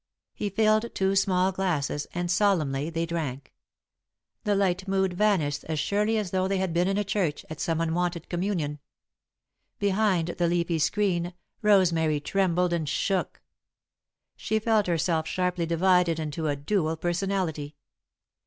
He filled two small glasses, and, solemnly, they drank. The light mood vanished as surely as though they had been in a church, at some unwonted communion. Behind the leafy screen, Rosemary trembled and shook. She felt herself sharply divided into a dual personality.